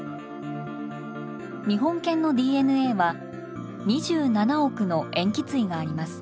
日本犬のＤＮＡは２７億の塩基対があります。